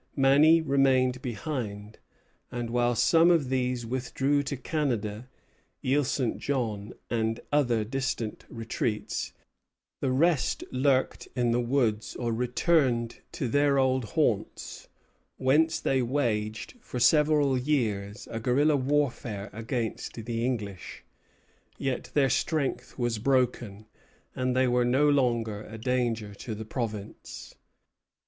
Many remained behind; and while some of these withdrew to Canada, Isle St. Jean, and other distant retreats, the rest lurked in the woods or returned to their old haunts, whence they waged, for several years a guerilla warfare against the English. Yet their strength was broken, and they were no longer a danger to the province.